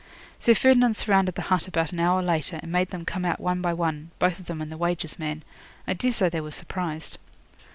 Sir Ferdinand surrounded the hut about an hour later, and made them come out one by one both of them and the wages man. I daresay they were surprised.